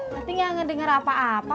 nanti gak ngedenger apa apa